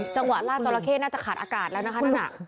ลาดจราเข้น่าจะขาดอากาศแล้วนะคะนั่นน่ะ